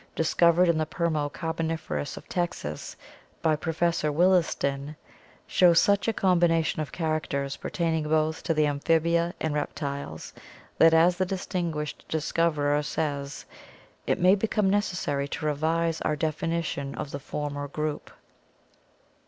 146), discovered in the Permo Carboniferous of Texas by Professor Williston, show such a combination of characters pertaining both to the amphibia and reptiles that, as the distinguished discoverer says, it may become necessary to revise our definition of the former group.